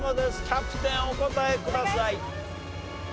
キャプテンお答えください。